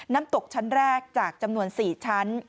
น้ำตกชั้นแรกจากจำนวน๔ชั้น